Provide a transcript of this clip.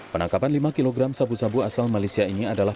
penangkapan lima kg sabu sabu asal malaysia ini adalah